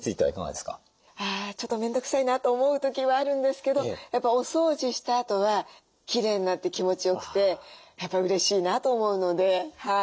あちょっと面倒くさいなと思う時はあるんですけどやっぱお掃除したあとはきれいになって気持ちよくてやっぱうれしいなと思うので。